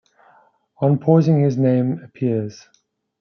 On pausing his name appears.